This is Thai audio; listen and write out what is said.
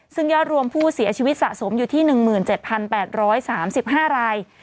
ซึ่งยอดรวมผู้เสียชีวิตสะสมอยู่ที่๑๗๘๓๕ราย